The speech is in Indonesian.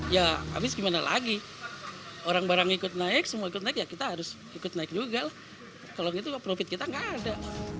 ya habis gimana lagi orang barang ikut naik semua ikut naik ya kita harus ikut naik juga lah kalau gitu profit kita nggak ada